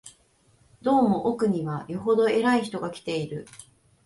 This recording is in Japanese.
どうも奥には、よほど偉い人が来ている